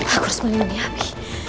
aku harus memimpinnya bi